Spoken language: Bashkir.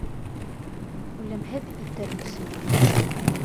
Үлемһеҙ итер өсөн!